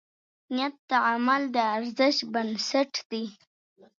نیت د عمل د ارزښت بنسټ دی.